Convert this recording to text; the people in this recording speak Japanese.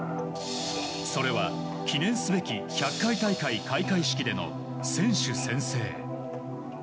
それは記念すべき１００回大会開会式での選手宣誓。